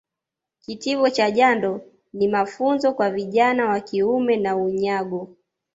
Kitivo cha jando ni mafunzo kwa vijana wa kiume na unyago